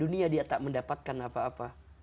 dunia dia tak mendapatkan apa apa